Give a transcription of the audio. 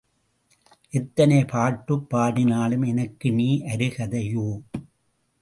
எத்தனை பாட்டுப் பாடினாலும் எனக்கு நீ அருகதையோ?